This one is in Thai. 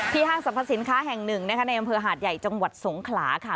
ห้างสรรพสินค้าแห่งหนึ่งนะคะในอำเภอหาดใหญ่จังหวัดสงขลาค่ะ